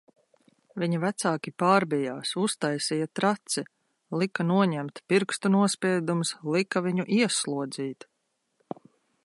Viņa vecāki pārbijās, uztaisīja traci, lika noņemt pirkstu nospiedumus, lika viņu ieslodzīt...